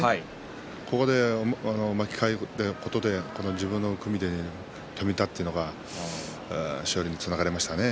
ここで巻き替えることで自分の組み手を止めたというのが勝利につながりました。